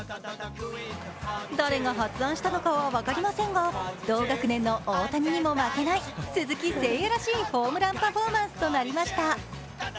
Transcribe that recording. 誰が発案したのかは分かりませんが、同学年の大谷にも負けない鈴木誠也らしいホームランパフォーマンスとなりました。